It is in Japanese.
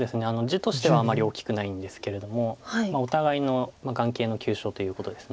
地としてはあまり大きくないんですけれどお互いの眼形の急所ということです。